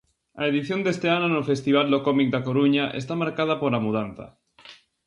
A edición deste ano do festival do cómic da Coruña está marcada pola mudanza.